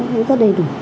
rất đầy đủ